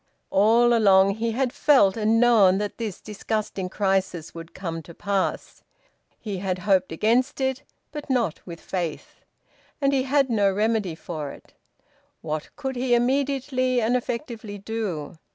All along he had felt and known that this disgusting crisis would come to pass. He had hoped against it, but not with faith. And he had no remedy for it. What could he immediately and effectively do?